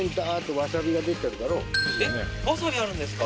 わさびあるんですか？